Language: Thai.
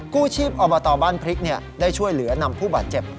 กู้ชีพอบตบ้านพริกได้ช่วยเหลือนำผู้บาดเจ็บ